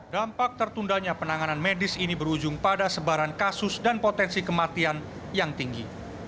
dampak tertundanya penanganan medis ini berujung pada sebaran kasus dan potensi kematian yang tinggi